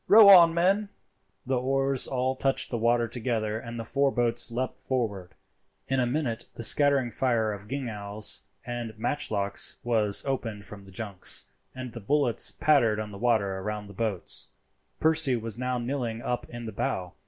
Row on, men." The oars all touched the water together, and the four boats leapt forward. In a minute a scattering fire of gingals and matchlocks was opened from the junks, and the bullets pattered on the water round the boats. Percy was now kneeling up in the bow.